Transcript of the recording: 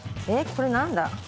これ何だ？